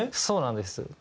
そうなんです。